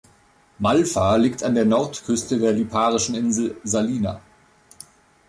Malfa liegt an der Nordküste der Liparischen Insel Salina.